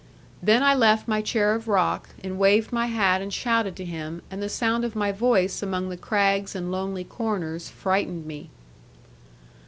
Then I left my chair of rock, and waved my hat and shouted to him, and the sound of my voice among the crags and lonely corners frightened me.